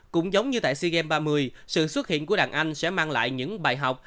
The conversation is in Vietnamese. cũng giống như tại sea games ba mươi sự xuất hiện của đảng anh sẽ mang lại những bài học